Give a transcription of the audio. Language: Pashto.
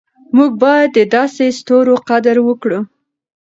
موږ باید د داسې ستورو قدر وکړو.